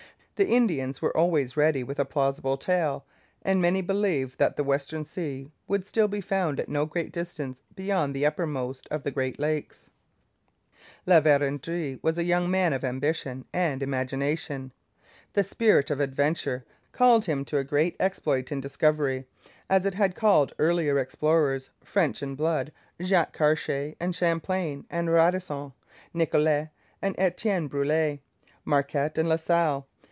The Indians were always ready with a plausible tale, and many believed that the Western Sea would still be found at no great distance beyond the uppermost of the Great Lakes. La Vérendrye was a young man of ambition and imagination. The spirit of adventure called him to a great exploit in discovery, as it had called earlier explorers French in blood Jacques Cartier and Champlain and Radisson, Nicolet and Etienne Brulé, Marquette and La Salle.